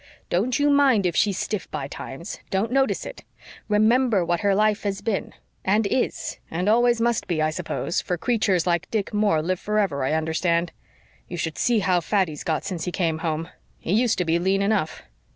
"Don't you mind if she's stiff by times don't notice it. Remember what her life has been and is and must always be, I suppose, for creatures like Dick Moore live forever, I understand. You should see how fat he's got since he came home. He used to be lean enough.